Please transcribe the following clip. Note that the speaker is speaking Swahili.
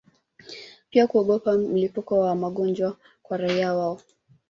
pia kuogopa mlipuko wa magonjwa kwa raia wao